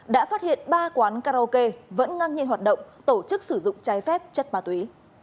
đã phát hiện ba quán karaoke vẫn ngang nhiên hoạt động tổ chức sử dụng trái phép chất ma túy